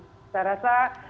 sehatan saya rasa